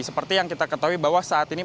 seperti yang kita ketahui bahwa saat ini